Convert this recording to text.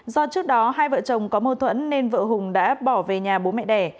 do trước đó hai vợ chồng có mâu thuẫn nên vợ hùng đã bỏ về nhà bố mẹ đẻ